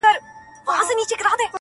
څرنګه به ستر خالق ما د بل په تور نیسي-